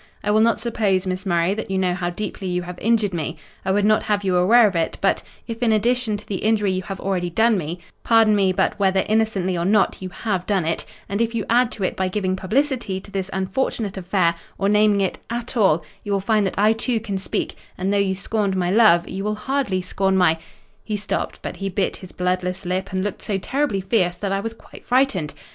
I will not suppose, Miss Murray, that you know how deeply you have injured me. I would not have you aware of it; but if, in addition to the injury you have already done me—pardon me, but, whether innocently or not, you have done it—and if you add to it by giving publicity to this unfortunate affair, or naming it at all, you will find that I too can speak, and though you scorned my love, you will hardly scorn my—' "He stopped, but he bit his bloodless lip, and looked so terribly fierce that I was quite frightened.